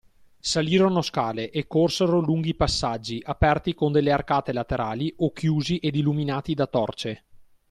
salirono scale e corsero lunghi passaggi, aperti con delle arcate laterali o chiusi ed illuminati da torce.